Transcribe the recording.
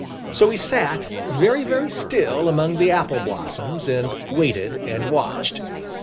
So he sat very, very still among the apple blossoms and waited and watched.